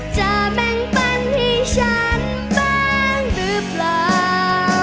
จะแบ่งปันให้ฉันบ้างหรือเปล่า